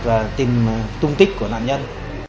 và tìm tung tích của nạn nhân